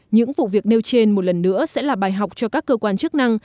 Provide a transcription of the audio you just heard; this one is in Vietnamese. những vụ việc nêu trên một lần nữa sẽ là bài học cho các cơ quan chức năng